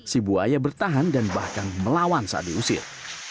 si buaya bertahan dan bahkan melawan saat diusir